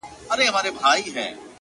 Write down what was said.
• د دوى دا هيله ده چي؛